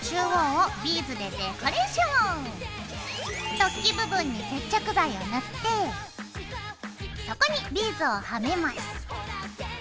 突起部分に接着剤を塗ってそこにビーズをはめます。